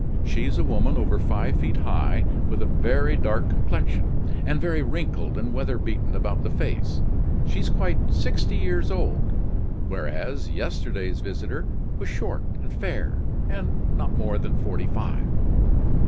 She's a woman over five feet high, with a very dark complexion; and very wrinkled and weatherbeaten about the face. She's quite sixty years old; whereas, yesterday's visitor was short and fair, and not more than forty five."